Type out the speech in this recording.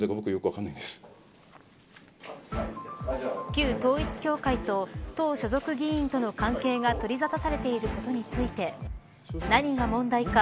旧統一教会と党所属議員との関係が取りざたされていることについて何が問題か